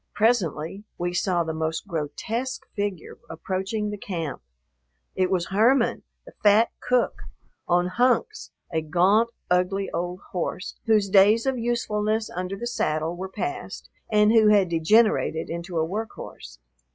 Presently we saw the most grotesque figure approaching camp. It was Herman, the fat cook, on Hunks, a gaunt, ugly old horse, whose days of usefulness under the saddle were past and who had degenerated into a workhorse.